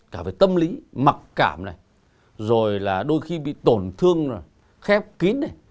cả về tâm lý mặc cảm này rồi là đôi khi bị tổn thương khép kín này